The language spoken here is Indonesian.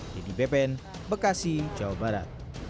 jadi bpn bekasi jawa barat